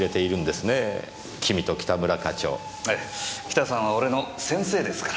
キタさんは俺の先生ですから。